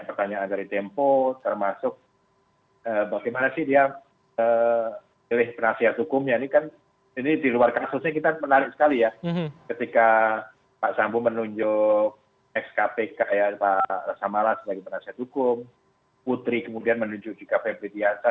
pkpk ya pak rasamara sebagai penasihat hukum putri kemudian menuju di kppt asar